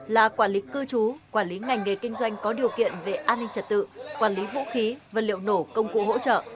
là quản lý cư trú quản lý ngành nghề kinh doanh có điều kiện về an ninh trật tự quản lý vũ khí vật liệu nổ công cụ hỗ trợ